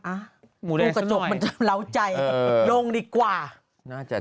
อ่ะลูกกระจกมันจะเหล้าใจลงดีกว่า